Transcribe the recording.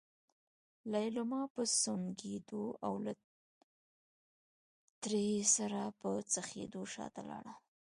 ليلما په سونګېدو او له تړې سره په څخېدو شاته لاړه.